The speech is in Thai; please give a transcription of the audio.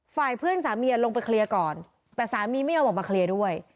ฝ่ายเพื่อนสามีลงไปเคลียร์ก่อนแต่สามีไม่ยอมออกมาเคลียร์ด้วย